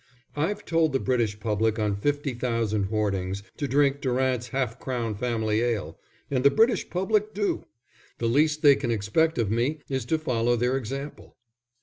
I've told the British public on fifty thousand hoardings to drink Durant's Half Crown Family Ale, and the British public do. The least they can expect of me is to follow their example."